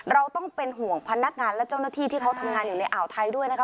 เราต้องเป็นห่วงพนักงานและเจ้าหน้าที่ที่เขาทำงานอยู่ในอ่าวไทยด้วยนะคะ